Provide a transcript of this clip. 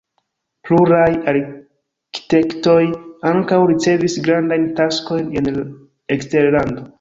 Pluraj arkitektoj ankaŭ ricevis grandajn taskojn en eksterlando.